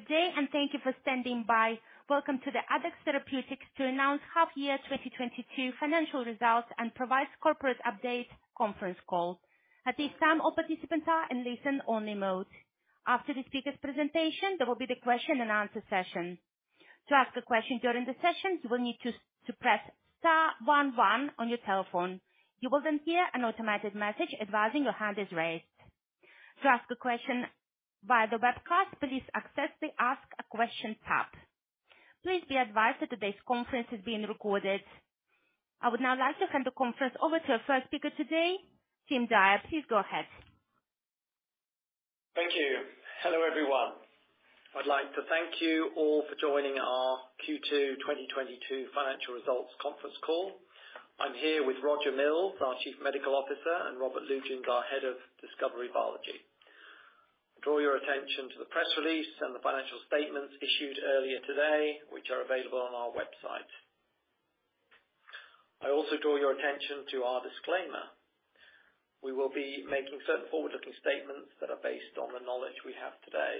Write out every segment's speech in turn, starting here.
Good day, and thank you for standing by. Welcome to the Addex Therapeutics to announce half-year 2022 financial results and provides corporate update conference call. At this time, all participants are in listen-only mode. After the speaker's presentation, there will be the question and answer session. To ask a question during the session, you will need to press star one one on your telephone. You will then hear an automated message advising your hand is raised. To ask a question via the webcast, please access the Ask a Question tab. Please be advised that today's conference is being recorded. I would now like to hand the conference over to our first speaker today, Tim Dyer. Please go ahead. Thank you. Hello, everyone. I'd like to thank you all for joining our Q2 2022 financial results conference call. I'm here with Roger Mills, our Chief Medical Officer, and Robert Lütjens, our Head of Discovery Biology. Draw your attention to the press release and the financial statements issued earlier today, which are available on our website. I also draw your attention to our disclaimer. We will be making certain forward-looking statements that are based on the knowledge we have today.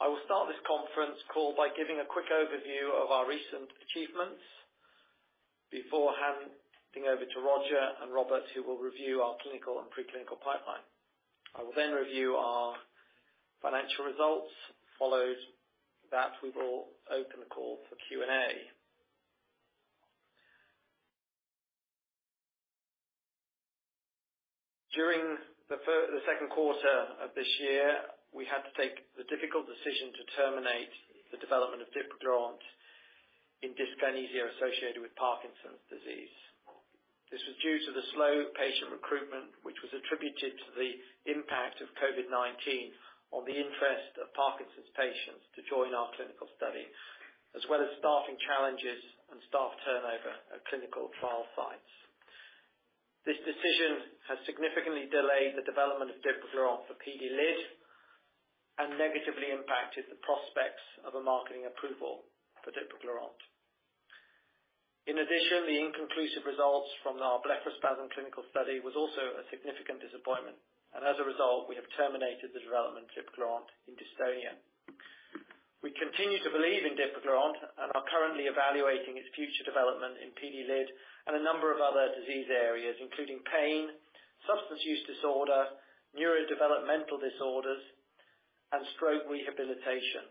I will start this conference call by giving a quick overview of our recent achievements before handing over to Roger and Robert, who will review our clinical and pre-clinical pipeline. I will then review our financial results. Following that, we will open the call for Q&A. During the second quarter of this year, we had to take the difficult decision to terminate the development of dipraglurant in dyskinesia associated with Parkinson's disease. This was due to the slow patient recruitment, which was attributed to the impact of COVID-19 on the interest of Parkinson's patients to join our clinical study, as well as staffing challenges and staff turnover at clinical trial sites. This decision has significantly delayed the development of dipraglurant for PD-LID and negatively impacted the prospects of a marketing approval for dipraglurant. In addition, the inconclusive results from our blepharospasm clinical study was also a significant disappointment, and as a result, we have terminated the development of dipraglurant in dystonia. We continue to believe in dipraglurant and are currently evaluating its future development in PD-LID and a number of other disease areas, including pain, substance use disorder, neurodevelopmental disorders, and stroke rehabilitation.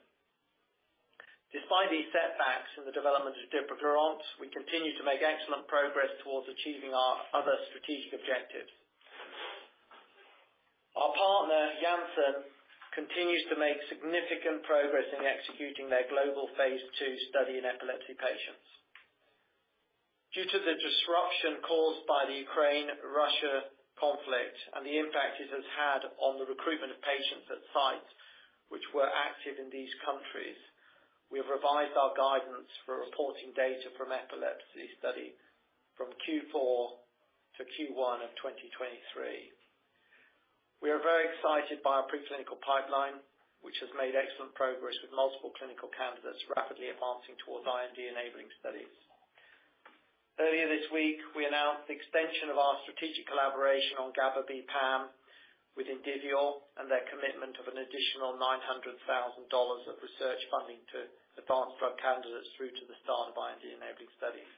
Despite these setbacks in the development of dipraglurant, we continue to make excellent progress towards achieving our other strategic objectives. Our partner, Janssen, continues to make significant progress in executing their global phase II study in epilepsy patients. Due to the disruption caused by the Ukraine-Russia conflict and the impact it has had on the recruitment of patients at sites which were active in these countries, we have revised our guidance for reporting data from epilepsy study from Q4 to Q1 of 2023. We are very excited by our pre-clinical pipeline, which has made excellent progress with multiple clinical candidates rapidly advancing towards IND-enabling studies. Earlier this week, we announced the extension of our strategic collaboration on GABAB PAM with Indivior and their commitment of an additional $900,000 of research funding to advance drug candidates through to the start of IND-enabling studies.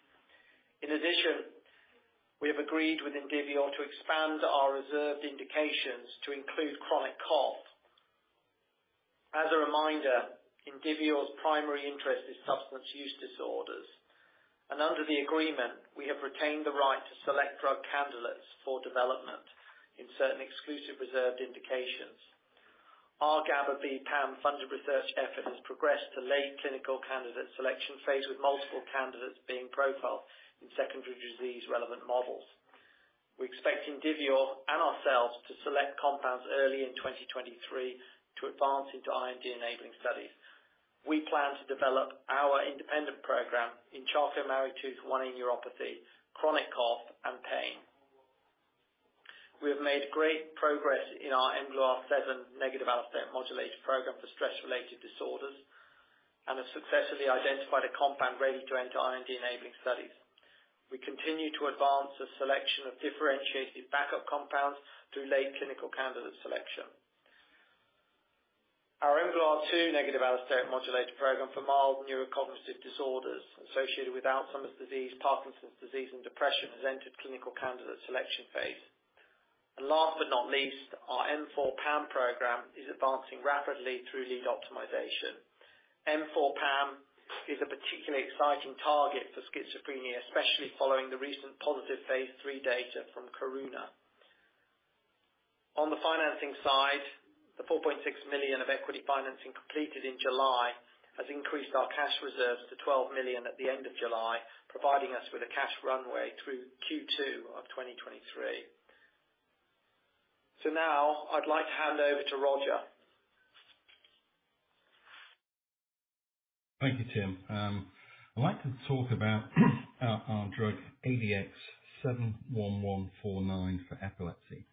In addition, we have agreed with Indivior to expand our reserved indications to include chronic cough. As a reminder, Indivior's primary interest is substance use disorders, and under the agreement, we have retained the right to select drug candidates for development in certain exclusive reserved indications. Our GABAB PAM funded research effort has progressed to late clinical candidate selection phase, with multiple candidates being profiled in secondary disease-relevant models. We expect Indivior and ourselves to select compounds early in 2023 to advance into IND-enabling studies. We plan to develop our independent program in Charcot-Marie-Tooth 1A neuropathy, chronic cough, and pain. We have made great progress in our mGluR7 negative allosteric modulator program for stress-related disorders and have successfully identified a compound ready to enter IND-enabling studies. We continue to advance a selection of differentiated backup compounds through late clinical candidate selection. Our mGluR2 negative allosteric modulator program for mild neurocognitive disorders associated with Alzheimer's disease, Parkinson's disease, and depression has entered clinical candidate selection phase. Last but not least, our M4 PAM program is advancing rapidly through lead optimization. M4 PAM is a particularly exciting target for schizophrenia, especially following the recent positive phase 3 data from Karuna. On the financing side, the 4.6 million of equity financing completed in July has increased our cash reserves to 12 million at the end of July, providing us with a cash runway through Q2 of 2023. Now I'd like to hand over to Roger. Thank you, Tim. I'd like to talk about our drug ADX71149 for epilepsy.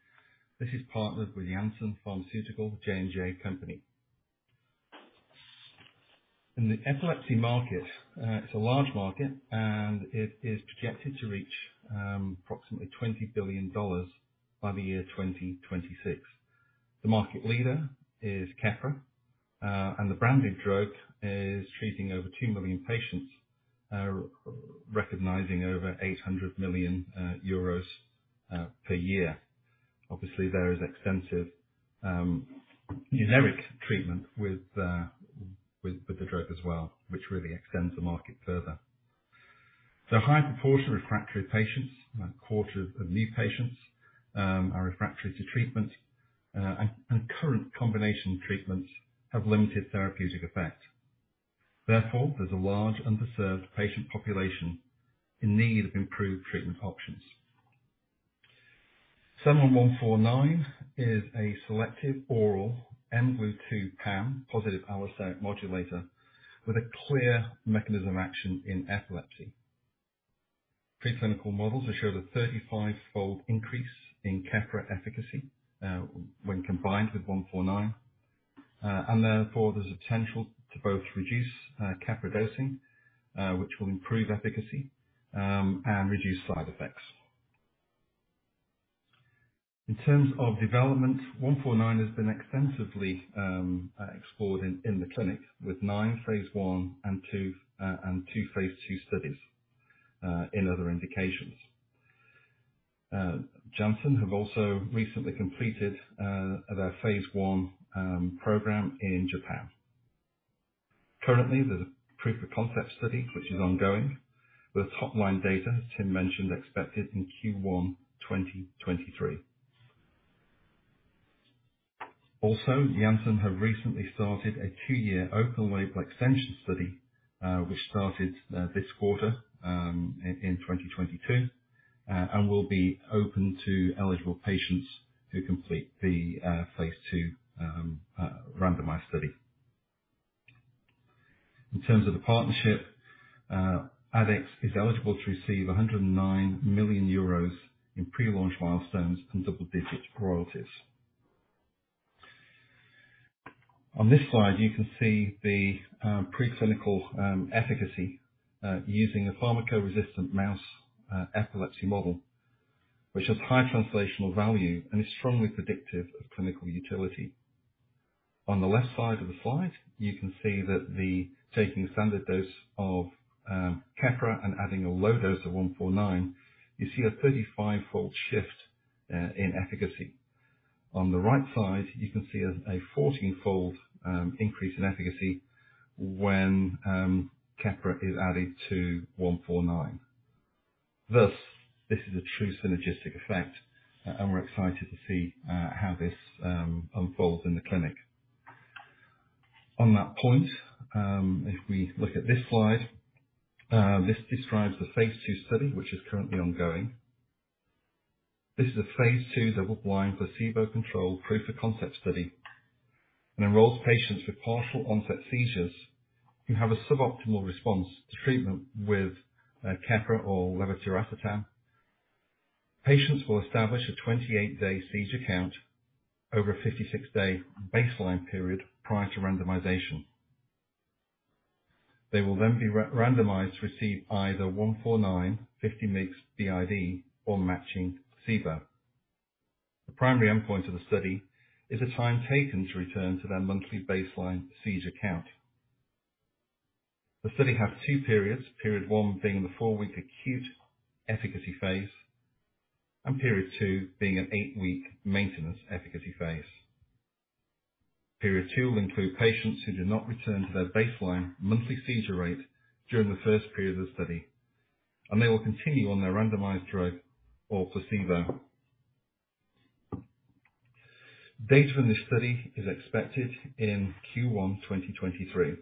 This is partnered with Janssen Pharmaceuticals, J&J company. In the epilepsy market, it's a large market, and it is projected to reach approximately $20 billion by the year 2026. The market leader is Keppra, and the branded drug is treating over 2 million patients, recognizing over 800 million euros per year. Obviously, there is extensive generic treatment with the drug as well, which really extends the market further. A high proportion of refractory patients, about a quarter of the new patients, are refractory to treatment, and current combination treatments have limited therapeutic effect. Therefore, there's a large unserved patient population in need of improved treatment options. ADX71149 is a selective oral mGlu2 PAM, positive allosteric modulator, with a clear mechanism of action in epilepsy. Preclinical models have showed a 35-fold increase in Keppra efficacy when combined with ADX71149. Therefore, there's a potential to both reduce Keppra dosing, which will improve efficacy and reduce side effects. In terms of development, ADX71149 has been extensively explored in the clinic, with nine phase I and 2 and two phase II studies in other indications. Janssen have also recently completed their phase I program in Japan. Currently, there's a proof of concept study which is ongoing, with top-line data, as Tim mentioned, expected in Q1 2023. Janssen have recently started a two-year open label extension study, which started this quarter in 2022, and will be open to eligible patients who complete the phase II randomized study. In terms of the partnership, Addex is eligible to receive 109 million euros in pre-launch milestones and double-digit royalties. On this slide, you can see the preclinical efficacy using a pharmacoresistant mouse epilepsy model, which has high translational value and is strongly predictive of clinical utility. On the left side of the slide, you can see that taking a standard dose of Keppra and adding a low dose of one four nine, you see a 35-fold shift in efficacy. On the right side, you can see a 14-fold increase in efficacy when Keppra is added to 149. Thus, this is a true synergistic effect and we're excited to see how this unfolds in the clinic. On that point, if we look at this slide, this describes the phase II study, which is currently ongoing. This is a phase II double-blind placebo-controlled proof of concept study, and enrolls patients with partial onset seizures who have a suboptimal response to treatment with Keppra or levetiracetam. Patients will establish a 28-day seizure count over a 56-day baseline period prior to randomization. They will then be randomized to receive either 149 50 mg BID or matching placebo. The primary endpoint of the study is the time taken to return to their monthly baseline seizure count. The study has two periods, period one being the four-week acute efficacy phase, and period two being an 8-week maintenance efficacy phase. Period two will include patients who do not return to their baseline monthly seizure rate during the first period of the study, and they will continue on their randomized drug or placebo. Data from this study is expected in Q1 2023.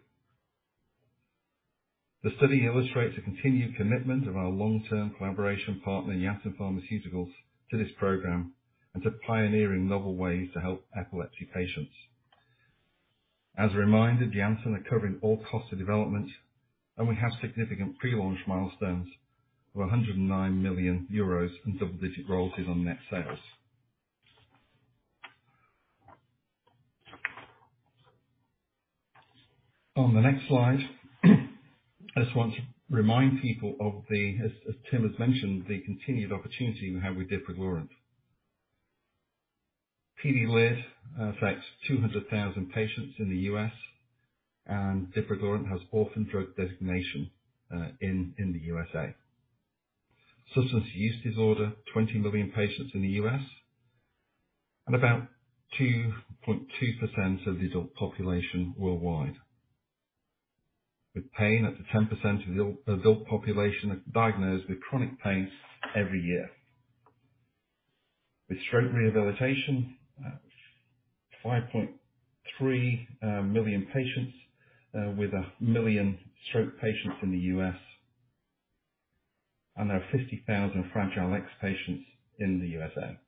The study illustrates a continued commitment of our long-term collaboration partner, Janssen Pharmaceuticals, to this program and to pioneering novel ways to help epilepsy patients. As a reminder, Janssen are covering all costs of development, and we have significant pre-launch milestones of 109 million euros in double-digit royalties on net sales. On the next slide, I just want to remind people of, as Tim has mentioned, the continued opportunity we have with dipraglurant. PD-LID affects 200,000 patients in the U.S., and dipraglurant has orphan drug designation in the U.S.A. Substance use disorder, 20 million patients in the U.S., and about 2.2% of the adult population worldwide. With pain, up to 10% of the adult population is diagnosed with chronic pains every year. With stroke rehabilitation, 5.3 million patients, with 1 million stroke patients in the U.S., and there are 50,000 Fragile X patients in the U.S.A.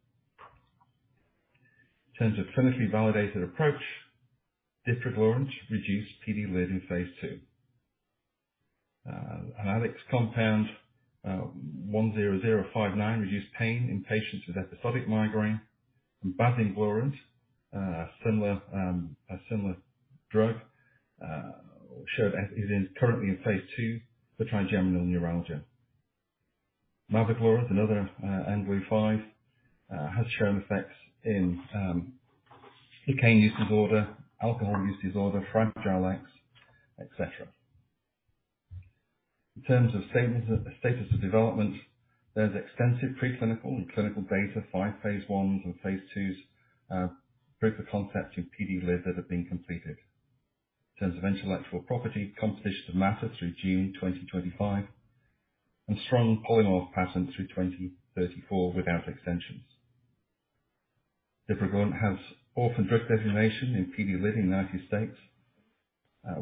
In terms of clinically validated approach, dipraglurant reduced PD-LID in phase II. ADX10059 reduced pain in patients with episodic migraine and basimglurant, a similar drug, showed it is currently in phase II for trigeminal neuralgia. Mavoglurant, another mGluR5, has shown effects in cocaine use disorder, alcohol use disorder, Fragile X syndrome, etc. In terms of status of development, there's extensive preclinical and clinical data, 5 phase ones and phase IIs, proof of concept in PD-LID that have been completed. In terms of intellectual property, composition of matter through June 2025, and strong polymorph patent through 2034 without extensions. The program has orphan drug designation in PD-LID in the United States,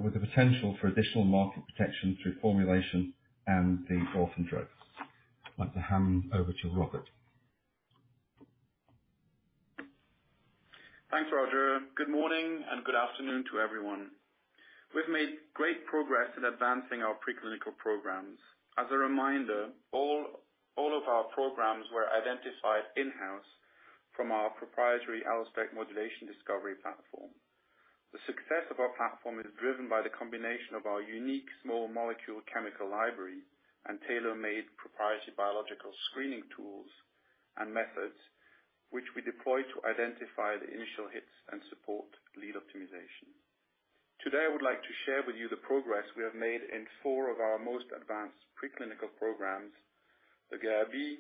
with the potential for additional market protection through formulation and the orphan drug. I'd like to hand over to Robert. Thanks, Roger. Good morning and good afternoon to everyone. We've made great progress in advancing our preclinical programs. As a reminder, all of our programs were identified in-house from our proprietary allosteric modulation discovery platform. The success of our platform is driven by the combination of our unique small molecule chemical library and tailor-made proprietary biological screening tools and methods, which we deploy to identify the initial hits and support lead optimization. Today, I would like to share with you the progress we have made in four of our most advanced preclinical programs, the GABAB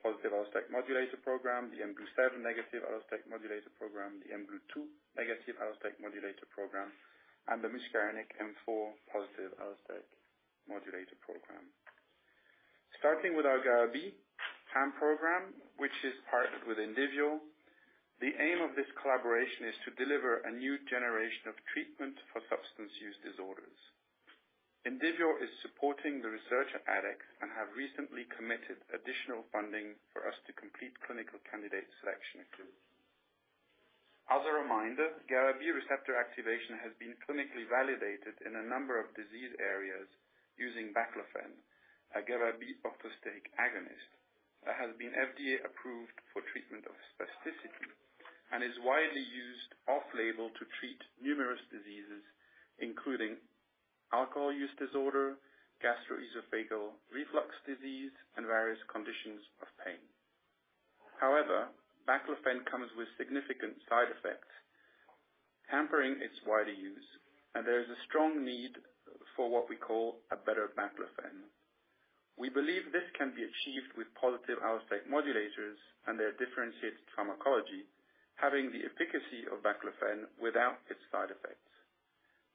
positive allosteric modulator program, the mGlu7 negative allosteric modulator program, the mGlu2 negative allosteric modulator program, and the muscarinic M4 positive allosteric modulator program. Starting with our GABAB PAM program, which is partnered with Indivior, the aim of this collaboration is to deliver a new generation of treatment for substance use disorders. Indivior is supporting the research at Addex and have recently committed additional funding for us to complete clinical candidate selection too. As a reminder, GABAB receptor activation has been clinically validated in a number of disease areas using Baclofen, a GABAB orthosteric agonist that has been FDA approved for treatment of spasticity and is widely used off-label to treat numerous diseases, including alcohol use disorder, gastroesophageal reflux disease, and various conditions of pain. However, Baclofen comes with significant side effects, hampering its wider use, and there is a strong need for what we call a better Baclofen. We believe this can be achieved with positive allosteric modulators and their differentiated pharmacology, having the efficacy of Baclofen without its side effects.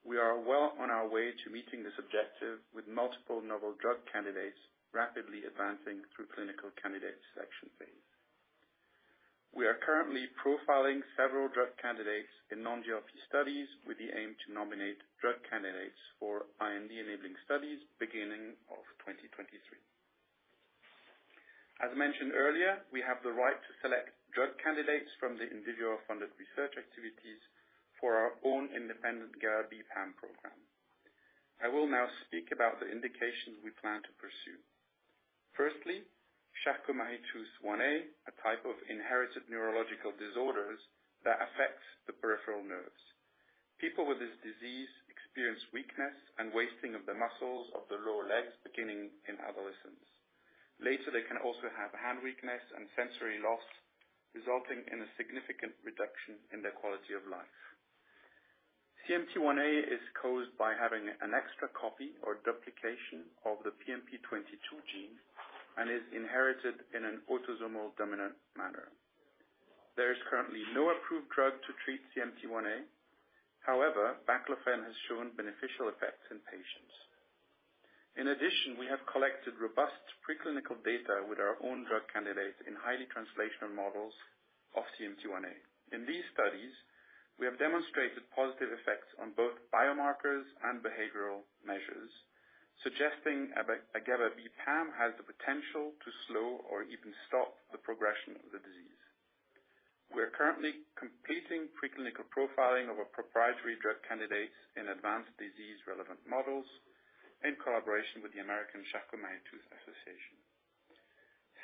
We are well on our way to meeting this objective with multiple novel drug candidates rapidly advancing through clinical candidate selection phase. We are currently profiling several drug candidates in non-GLP studies with the aim to nominate drug candidates for IND-enabling studies beginning of 2023. As mentioned earlier, we have the right to select drug candidates from the Indivior-funded research activities for our own independent GABAB PAM program. I will now speak about the indications we plan to pursue. Firstly, Charcot-Marie-Tooth 1A, a type of inherited neurological disorder that affects the peripheral nerves. People with this disease experience weakness and wasting of the muscles of the lower legs beginning in adolescence. Later, they can also have hand weakness and sensory loss, resulting in a significant reduction in their quality of life. CMT1A is caused by having an extra copy or duplication of the PMP22 gene and is inherited in an autosomal dominant manner. There is currently no approved drug to treat CMT1A. However, Baclofen has shown beneficial effects in patients. In addition, we have collected robust preclinical data with our own drug candidates in highly translational models of CMT1A. In these studies, we have demonstrated positive effects on both biomarkers and behavioral measures, suggesting a GABAB PAM has the potential to slow or even stop the progression of the disease. We are currently completing preclinical profiling of our proprietary drug candidates in advanced disease-relevant models in collaboration with the American Charcot-Marie-Tooth Association.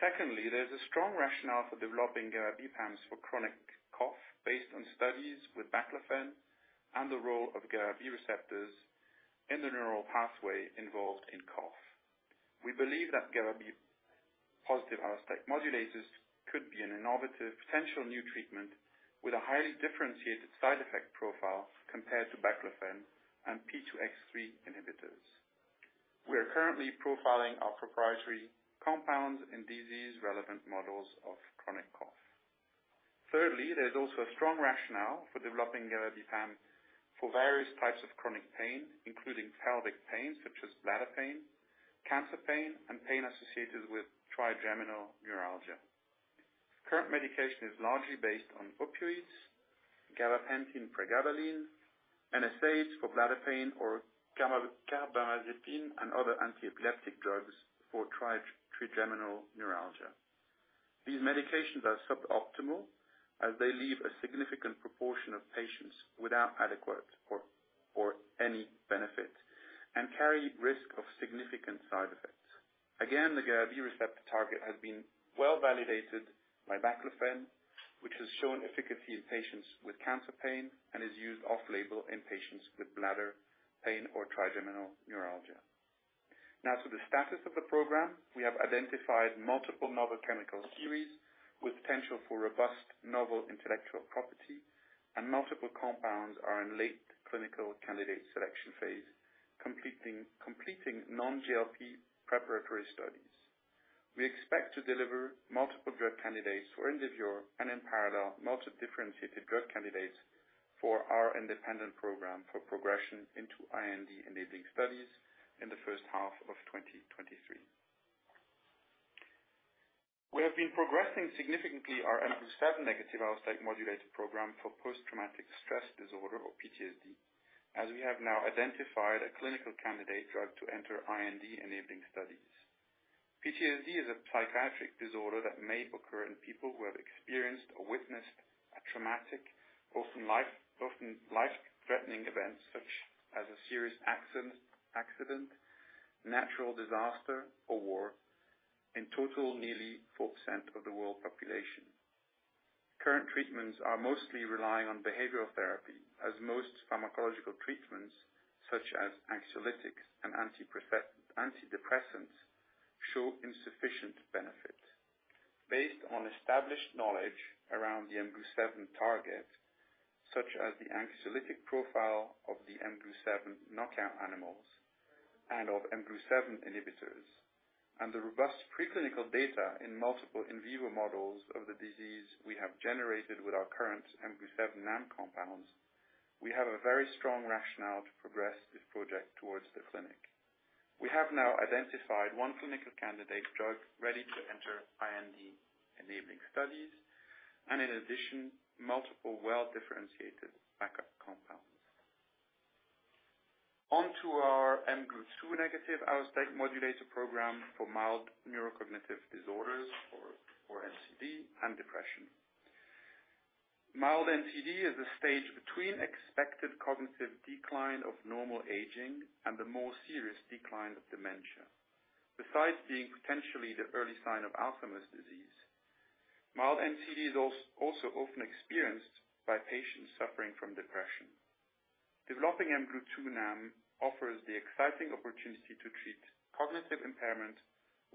Secondly, there's a strong rationale for developing GABAB PAMs for chronic cough based on studies with Baclofen and the role of GABAB receptors in the neural pathway involved in cough. We believe that GABAB positive allosteric modulators could be an innovative potential new treatment with a highly differentiated side effect profile compared to Baclofen and P2X3 inhibitors. We are currently profiling our proprietary compounds in disease-relevant models of chronic cough. Thirdly, there's also a strong rationale for developing GABAB PAM for various types of chronic pain, including pelvic pain, such as bladder pain, cancer pain, and pain associated with trigeminal neuralgia. Current medication is largely based on opioids, Gabapentin, Pregabalin, NSAIDs for bladder pain or Carbamazepine and other antiepileptic drugs for trigeminal neuralgia. These medications are suboptimal as they leave a significant proportion of patients without adequate or any benefit and carry risk of significant side effects. Again, the GABAB receptor target has been well-validated by Baclofen, which has shown efficacy in patients with cancer pain and is used off-label in patients with bladder pain or trigeminal neuralgia. Now, to the status of the program. We have identified multiple novel chemical series with potential for robust novel intellectual property, and multiple compounds are in late clinical candidate selection phase, completing non-GLP preparatory studies. We expect to deliver multiple drug candidates for Indivior and in parallel, multi-differentiated drug candidates for our independent program for progression into IND-enabling studies in the first half of 2023. We have been progressing significantly our mGlu7 negative allosteric modulator program for post-traumatic stress disorder or PTSD, as we have now identified a clinical candidate drug to enter IND-enabling studies. PTSD is a psychiatric disorder that may occur in people who have experienced or witnessed a traumatic, often life-threatening events such as a serious accident, natural disaster or war. In total, nearly 4% of the world population. Current treatments are mostly relying on behavioral therapy as most pharmacological treatments such as anxiolytics and antidepressants show insufficient benefit. Based on established knowledge around the mGlu7 target, such as the anxiolytic profile of the mGlu7 knockout animals and of mGlu7 inhibitors, and the robust pre-clinical data in multiple in vivo models of the disease we have generated with our current mGlu7 NAM compounds, we have a very strong rationale to progress this project towards the clinic. We have now identified one clinical candidate drug ready to enter IND-enabling studies and in addition, multiple well-differentiated backup compounds. Onto our mGlu2 negative allosteric modulator program for mild neurocognitive disorders or mNCD and depression. Mild mNCD is a stage between expected cognitive decline of normal aging and the more serious decline of dementia. Besides being potentially the early sign of Alzheimer's disease, mild mNCD is also often experienced by patients suffering from depression. Developing mGlu2 NAM offers the exciting opportunity to treat cognitive impairment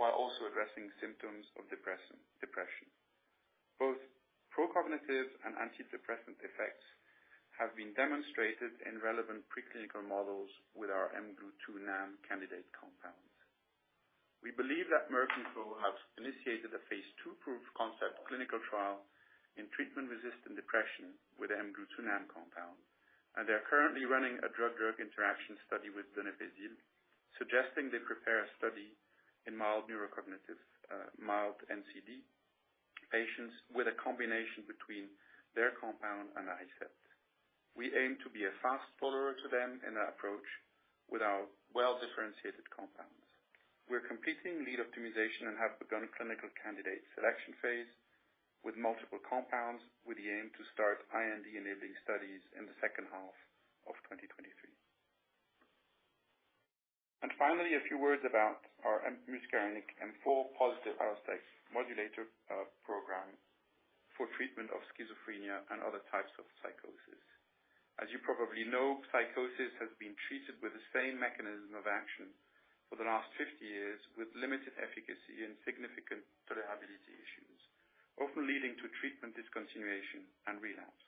while also addressing symptoms of depression. Both pro-cognitive and antidepressant effects have been demonstrated in relevant preclinical models with our mGlu2 NAM candidate compounds. We believe that Merck & Co. have initiated a phase II proof-of-concept clinical trial in treatment-resistant depression with mGlu2 NAM compound, and they are currently running a drug-drug interaction study with donepezil, suggesting they prepare a study in mild neurocognitive, mild mNCD patients with a combination between their compound and Aricept. We aim to be a fast follower to them in that approach with our well-differentiated compounds. We're completing lead optimization and have begun a clinical candidate selection phase with multiple compounds with the aim to start IND-enabling studies in the second half of 2023. Finally, a few words about our muscarinic M4 positive allosteric modulator program for treatment of schizophrenia and other types of psychosis. As you probably know, psychosis has been treated with the same mechanism of action for the last 50 years with limited efficacy and significant tolerability issues, often leading to treatment discontinuation and relapse.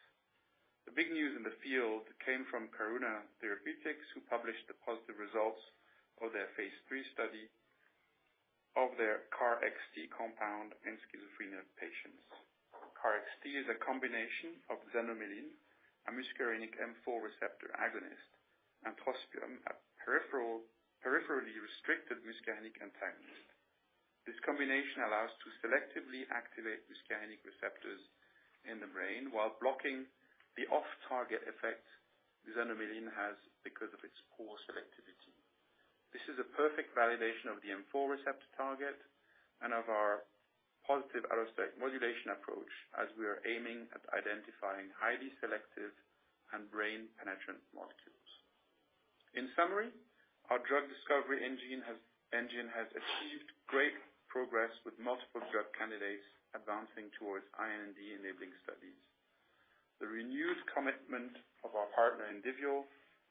The big news in the field came from Karuna Therapeutics, who published the positive results of their phase 3 study of their KarXT compound in schizophrenia patients. KarXT is a combination of Xanomeline, a muscarinic M4 receptor agonist, and trospium, a peripherally restricted muscarinic antagonist. This combination allows to selectively activate muscarinic receptors in the brain while blocking the off-target effect Xanomeline has because of its poor selectivity. This is a perfect validation of the M4 receptor target and of our positive allosteric modulation approach as we are aiming at identifying highly selective and brain penetrant molecules. In summary, our drug discovery engine has achieved great progress with multiple drug candidates advancing towards IND-enabling studies. The renewed commitment of our partner, Indivior,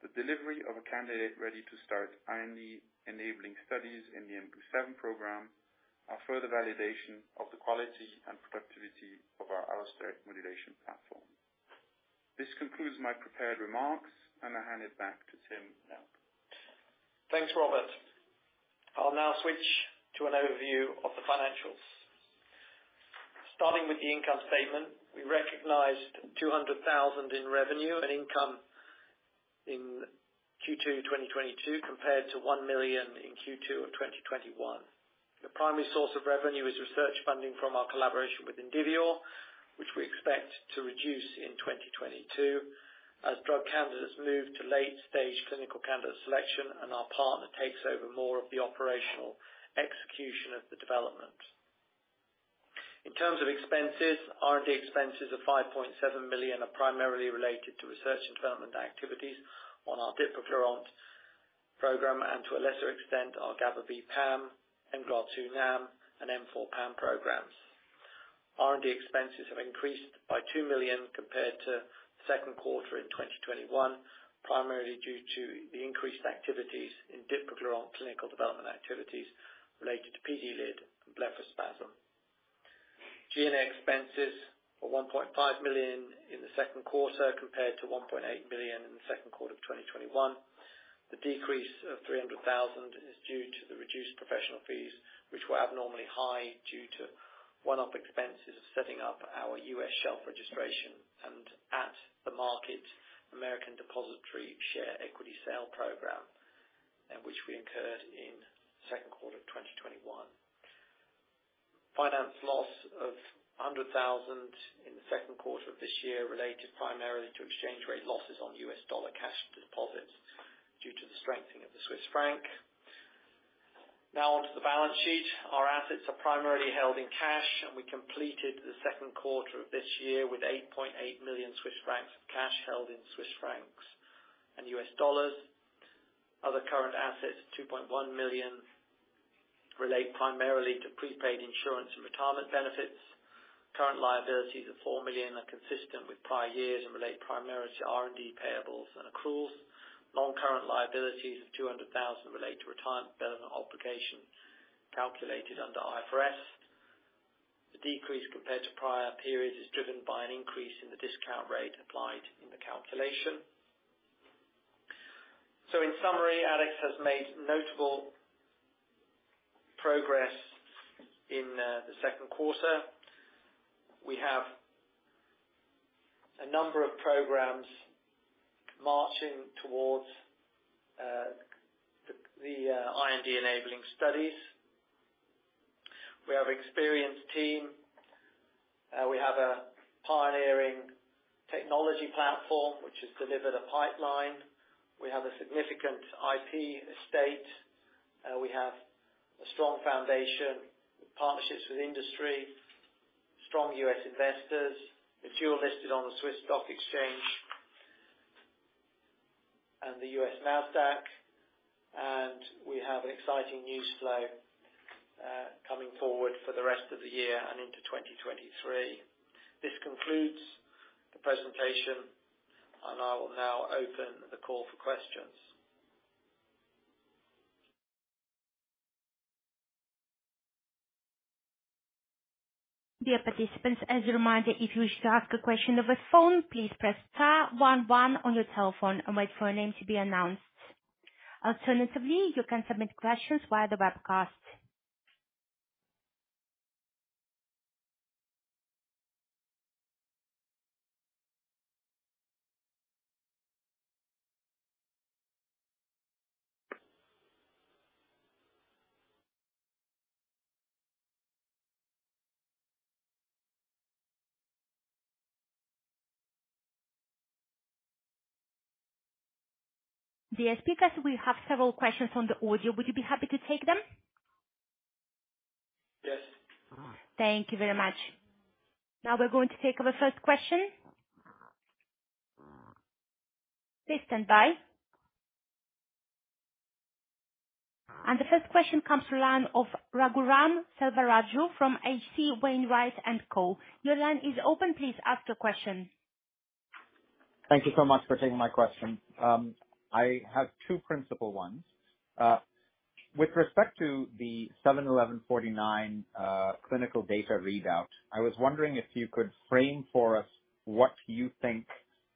the delivery of a candidate ready to start IND-enabling studies in the mGlu7 program, are further validation of the quality and productivity of our allosteric modulation platform. This concludes my prepared remarks, and I hand it back to Tim Dyer. Thanks, Robert. I'll now switch to an overview of the financials. Starting with the income statement, we recognized 200,000 in revenue and income in Q2 2022 compared to 1 million in Q2 of 2021. The primary source of revenue is research funding from our collaboration with Indivior, which we expect to reduce in 2022 as drug candidates move to late stage clinical candidate selection and our partner takes over more of the operational execution of the development. In terms of expenses, R&D expenses of 5.7 million are primarily related to research and development activities on our dipraglurant program and to a lesser extent, our GABAB PAM, mGlu2 NAM, and M4 PAM programs. R&D expenses have increased by 2 million compared to second quarter in 2021, primarily due to the increased activities in dipraglurant clinical development activities related to PD-LID and blepharospasm. G&A expenses are 1.5 million in the second quarter compared to 1.8 million in the second quarter of 2021. The decrease of 300,000 is due to the reduced professional fees, which were abnormally high due to one-off expenses of setting up our U.S. shelf registration and at-the-market American depositary share equity sale program, which we incurred in second quarter of 2021. Finance loss of 100,000 in the second quarter of this year related primarily to exchange rate losses on U.S. dollar cash deposits due to the strengthening of the Swiss franc. Now on to the balance sheet. Our assets are primarily held in cash, and we completed the second quarter of this year with 8.8 million Swiss francs of cash held in Swiss francs and U.S. dollars. Other current assets, 2.1 million relate primarily to prepaid insurance and retirement benefits. Current liabilities of 4 million are consistent with prior years and relate primarily to R&D payables and accruals. Non-current liabilities of 200 thousand relate to retirement benefit obligation calculated under IFRS. The decrease compared to prior periods is driven by an increase in the discount rate applied in the calculation. In summary, Addex has made notable progress in the second quarter. We have a number of programs marching towards the IND enabling studies. We have experienced team. We have a pioneering technology platform, which has delivered a pipeline. We have a significant IP estate. We have a strong foundation with partnerships with industry, strong U.S. investors. We're dual-listed on the SIX Swiss Exchange and the U.S. NASDAQ. We have exciting news flow, coming forward for the rest of the year and into 2023. This concludes the presentation, and I will now open the call for questions. Dear participants, as a reminder, if you wish to ask a question over phone, please press star one one on your telephone and wait for your name to be announced. Alternatively, you can submit questions via the webcast. Dear speakers, we have several questions on the audio. Would you be happy to take them? Yes. Thank you very much. Now we're going to take our first question. Please stand by. The first question comes from the line of Raghuram Selvaraju from H.C. Wainwright & Co. Your line is open, please ask your question. Thank you so much for taking my question. I have two principal ones. With respect to the ADX71149 clinical data readout, I was wondering if you could frame for us what you think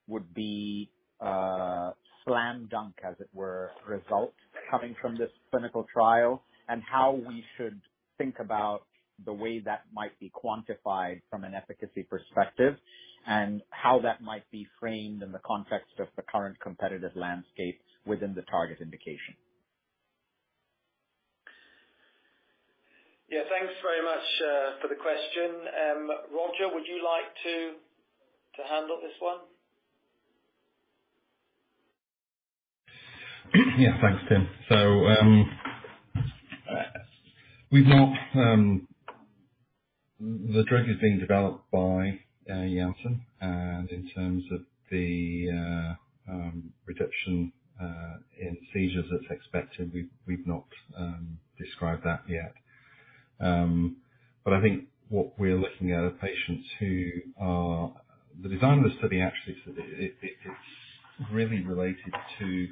would be a slam dunk, as it were, result coming from this clinical trial, and how we should think about the way that might be quantified from an efficacy perspective, and how that might be framed in the context of the current competitive landscape within the target indication. Yeah. Thanks very much for the question. Roger, would you like to handle this one? Yeah. Thanks, Tim. We've not. The drug is being developed by Janssen. In terms of the reduction in seizures that's expected, we've not described that yet. I think what we're looking at are patients. The design of the study actually is that it's really related to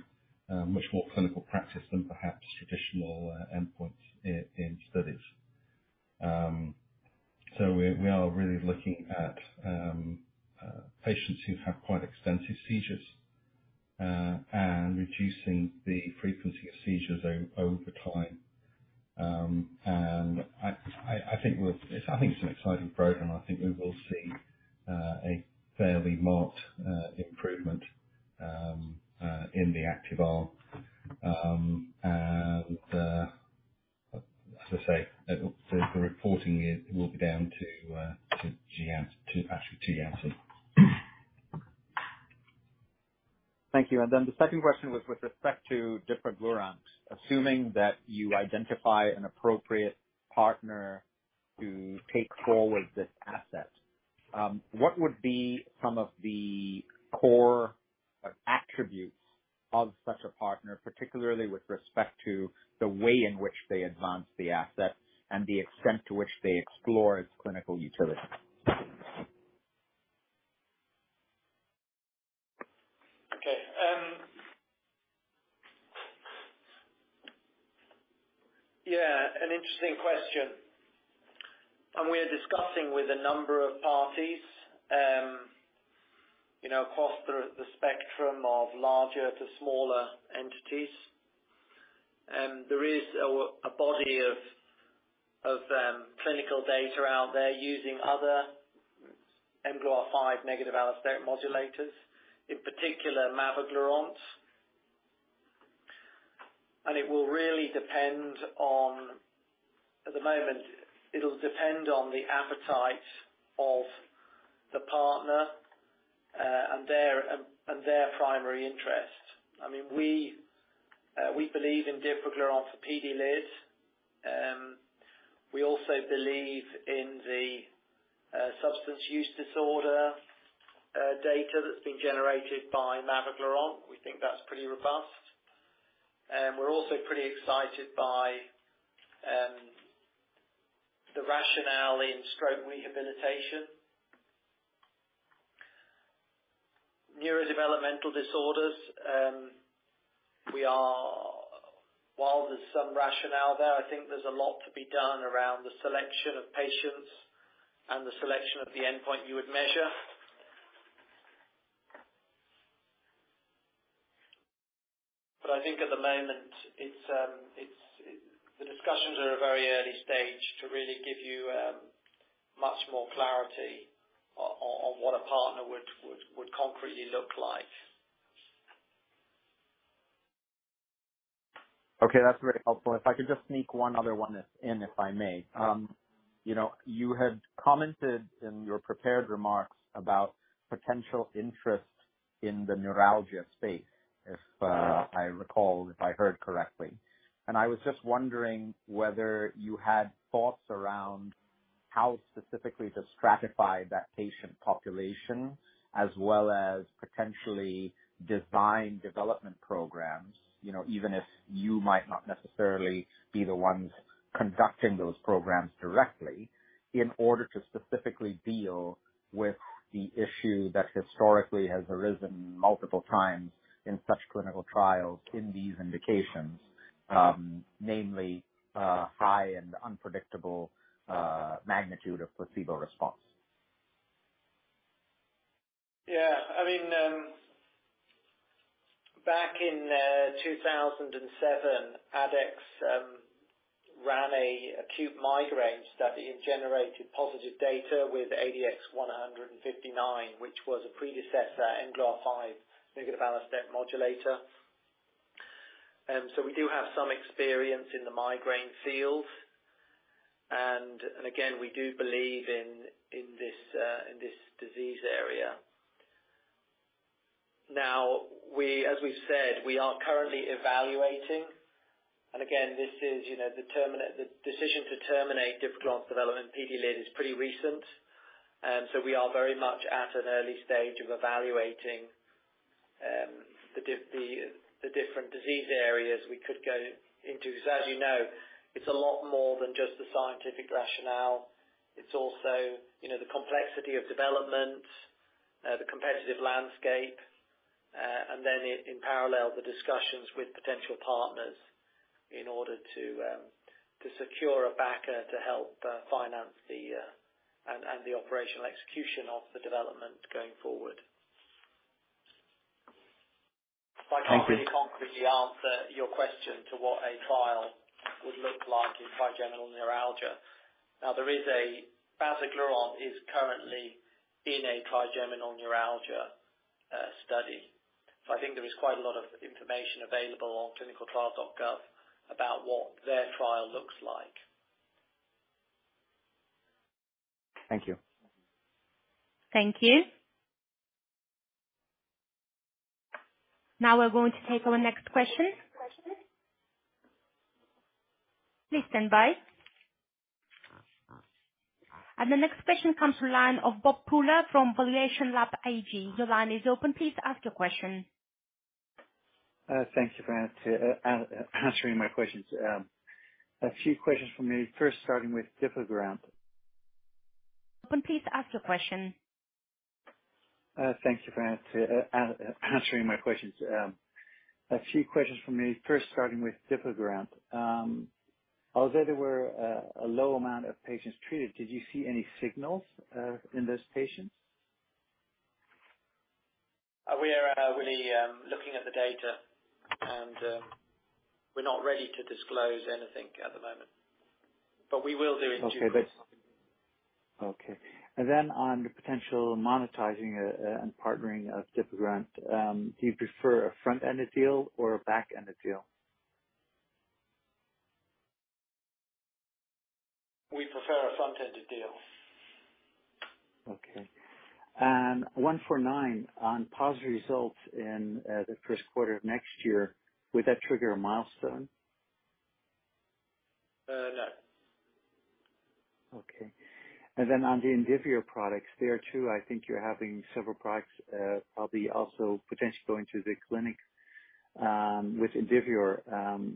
much more clinical practice than perhaps traditional endpoints in studies. We are really looking at patients who have quite extensive seizures and reducing the frequency of seizures over time. I think it's an exciting program. I think we will see a fairly marked improvement in the active arm. As I say, the reporting year will down to GM, actually two GM. Thank you. Then the second question was with respect to dipraglurant. Assuming that you identify an appropriate partner to take forward this asset, what would be some of the core attributes of such a partner, particularly with respect to the way in which they advance the asset and the extent to which they explore its clinical utility ?Okay. Yeah, an interesting question, and we're discussing with a number of parties, you know, across the spectrum of larger to smaller entities. There is a body of clinical data out there using other mGluR5 negative allosteric modulators, in particular mavoglurant. It will really depend on the appetite of the partner, and their primary interest. I mean, we believe in dipraglurant for PD-LID. We also believe in the substance use disorder data that's been generated by mavoglurant. We think that's pretty robust. We're also pretty excited by the rationale in stroke rehabilitation. Neurodevelopmental disorders. While there's some rationale there, I think there's a lot to be done around the selection of patients and the selection of the endpoint you would measure. I think at the moment the discussions are at a very early stage to really give you much more clarity on what a partner would concretely look like. Okay, that's very helpful. If I could just sneak one other one if I may. Um. You know, you had commented in your prepared remarks about potential interest in the neuralgia space. Yeah. I recall, if I heard correctly, and I was just wondering whether you had thoughts around how specifically to stratify that patient population as well as potentially design development programs, you know, even if you might not necessarily be the ones conducting those programs directly in order to specifically deal with the issue that historically has arisen multiple times in such clinical trials in these indications, namely, high and unpredictable magnitude of placebo response. I mean, back in 2007, Addex ran an acute migraine study. It generated positive data with ADX10059, which was a predecessor mGluR5 negative allosteric modulator. So we do have some experience in the migraine field. Again, we do believe in this disease area. Now, as we've said, we are currently evaluating, and again, this is the decision to terminate dipraglurant development PD-LID is pretty recent, so we are very much at an early stage of evaluating the different disease areas we could go into. 'Cause as you know, it's a lot more than just the scientific rationale. It's also, you know, the complexity of development, the competitive landscape, and then in parallel, the discussions with potential partners in order to secure a backer to help finance the and the operational execution of the development going forward. Thank you. I can't really concretely answer your question to what a trial would look like in trigeminal neuralgia. Now there is a basimglurant is currently in a trigeminal neuralgia study. I think there is quite a lot of information available on ClinicalTrials.gov about what their trial looks like. Thank you. Thank you. Now we're going to take our next question. Please stand by. The next question comes from the line of Bob Pooler from valuationLAB AG. Your line is open. Please ask your question. Thank you for answering my questions. A few questions from me, first starting with dipraglurant. Please ask your question. Thank you for answering my questions. A few questions from me, first starting with dipraglurant. Although there were a low amount of patients treated, did you see any signals in those patients? We are really looking at the data, and we're not ready to disclose anything at the moment, but we will do in due course. Okay. On the potential monetizing and partnering of dipraglurant, do you prefer a front-ended deal or a back-ended deal? We prefer a front-ended deal. Okay. ADX71149, on positive results in the first quarter of next year, would that trigger a milestone? No. Okay. On the Indivior products, there too, I think you're having several products, probably also potentially going through the clinic, with Indivior.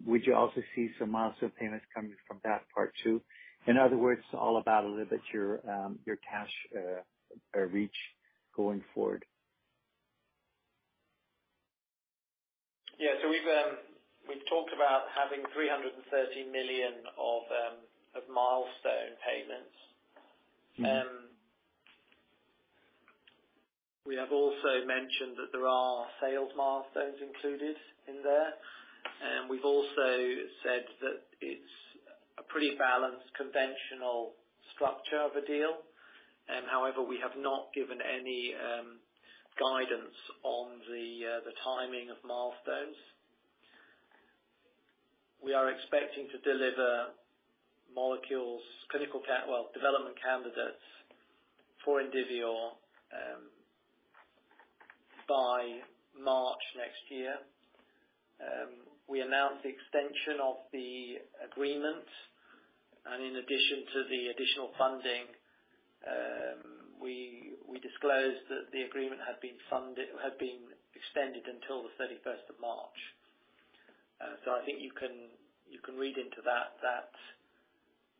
Would you also see some milestone payments coming from that part too? In other words, all about a little bit your cash reach going forward. Yeah. We've talked about having 330 million of milestone payments. Mm-hmm. We have also mentioned that there are sales milestones included in there. We've also said that it's a pretty balanced conventional structure of a deal. However, we have not given any guidance on the timing of milestones. We are expecting to deliver development candidates for Indivior by March next year. We announced the extension of the agreement, and in addition to the additional funding, we disclosed that the agreement had been extended until the thirty-first of March. I think you can read into that,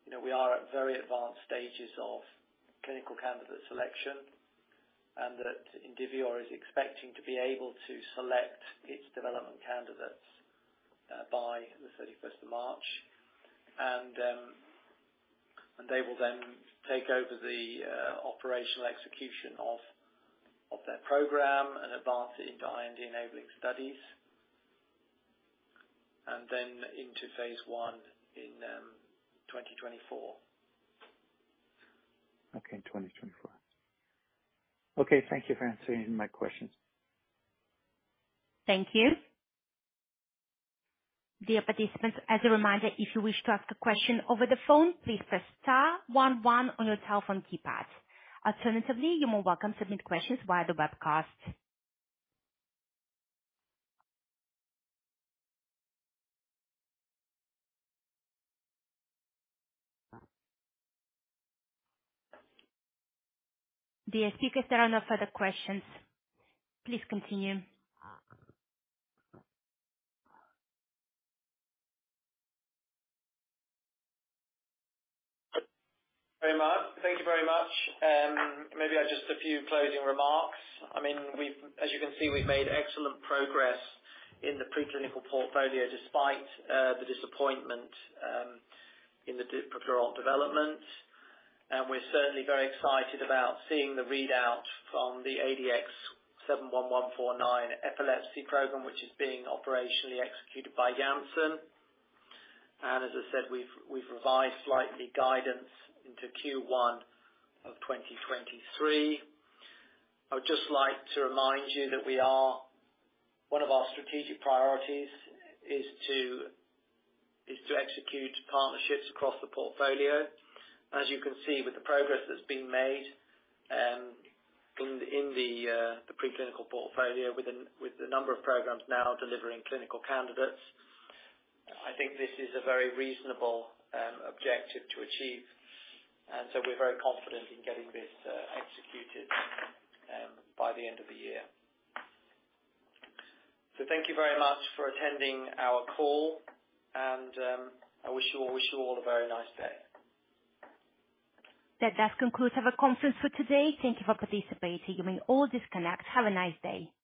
you know, we are at very advanced stages of clinical candidate selection, and that Indivior is expecting to be able to select its development candidates by the 31st of March. They will then take over the operational execution of their program and advance it by IND-enabling studies. Then into phase I in 2024. Okay, 2024. Okay. Thank you for answering my questions. Thank you. Dear participants, as a reminder, if you wish to ask a question over the phone, please press star one one on your telephone keypad. Alternatively, you are welcome to submit questions via the webcast. Dear speakers, there are no further questions. Please continue. Very much. Thank you very much. Maybe just a few closing remarks. I mean, we've as you can see, we've made excellent progress in the preclinical portfolio despite the disappointment in the dipraglurant development. We're certainly very excited about seeing the readout from the ADX71149 epilepsy program, which is being operationally executed by Janssen. As I said, we've revised slightly guidance into Q1 of 2023. I would just like to remind you that we are one of our strategic priorities is to execute partnerships across the portfolio. As you can see, with the progress that's been made in the preclinical portfolio with the number of programs now delivering clinical candidates, I think this is a very reasonable objective to achieve. We're very confident in getting this executed by the end of the year. Thank you very much for attending our call, and I wish you all a very nice day. That does conclude our conference for today. Thank you for participating. You may all disconnect. Have a nice day.